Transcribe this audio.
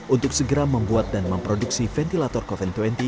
untuk segera membuat dan memproduksi ventilator covid dua puluh